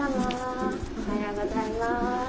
おはようございます。